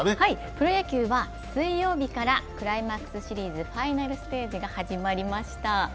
プロ野球は水曜日からクライマックスシリーズファイナルステージが始まりました。